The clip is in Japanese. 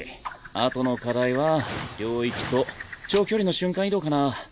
あとの課題は領域と長距離の瞬間移動かな。